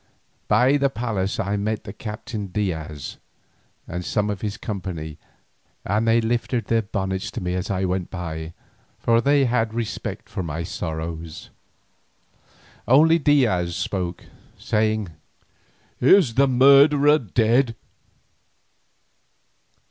By the palace I met the Captain Diaz and some of his company, and they lifted their bonnets to me as I went by, for they had respect for my sorrows. Only Diaz spoke, saying: "Is the murderer dead?"